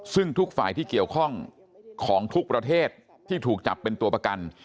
ซึ่งทุกฝ่ายที่เกี่ยวข้องของทุกประเทศที่ถูกจับเป็นตัวประกัน